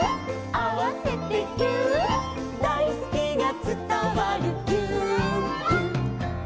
「あわせてぎゅーっ」「だいすきがつたわるぎゅーっぎゅ」